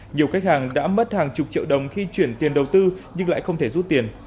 nhiều khách hàng đã mất hàng chục triệu đồng khi chuyển tiền đầu tư nhưng lại không thể rút tiền